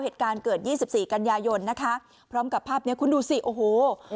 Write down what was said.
เหตุการณ์เกิด๒๔กันยายนนะคะพร้อมกับภาพเนี้ยคุณดูสิโอ้โห